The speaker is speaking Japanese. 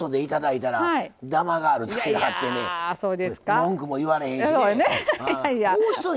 文句も言われへんしね。